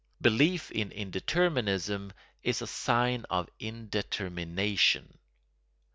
Belief in indeterminism is a sign of indetermination.